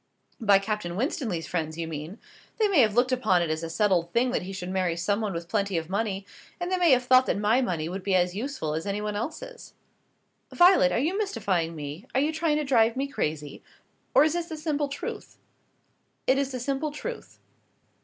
"By Captain Winstanley's friends, you mean. They may have looked upon it as a settled thing that he should marry someone with plenty of money, and they may have thought that my money would be as useful as anyone else's." "Violet, are you mystifying me? are you trying to drive me crazy? or is this the simple truth?" "It is the simple truth."